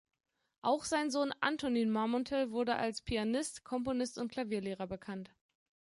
Auch sein Sohn Antonin Marmontel wurde als Pianist, Komponist und Klavierlehrer bekannt.